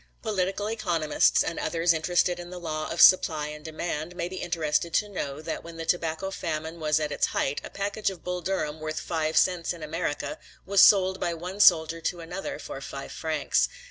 Political economists and others interested in the law of supply and demand may be interested to know that when the tobacco famine was at its height a package of Bull Durham worth five cents in America was sold by one soldier to another for five francs.